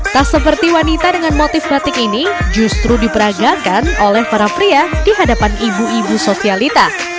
tak seperti wanita dengan motif batik ini justru diperagakan oleh para pria di hadapan ibu ibu sosialita